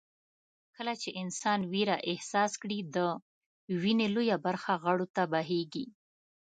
کله چې انسان وېره احساس کړي د وينې لويه برخه غړو ته بهېږي.